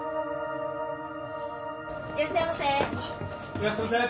いらっしゃいませ。